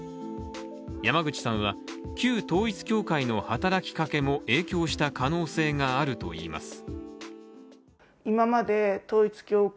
山口さんは、旧統一教会の働きかけも影響した可能性があるといいます。